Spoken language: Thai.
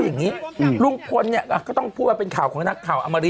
อย่างนี้ลุงพลเนี่ยก็ต้องพูดว่าเป็นข่าวของนักข่าวอมริ